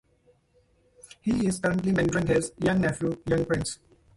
He is currently mentoring his young nephew Young Prince.